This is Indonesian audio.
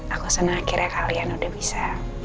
aku senang akhirnya kalian udah bisa